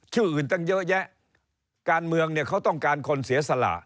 ชื่ออื่นตั้งเยอะแยะการเมืองเนี่ยเขาต้องการคนเสียสละ